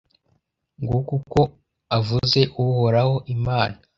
Nguko uko avuze Uhoraho, Imana,